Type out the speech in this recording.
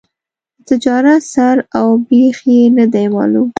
د تجارت سر او بېخ یې نه دي معلوم.